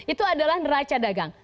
itu adalah neraca dagang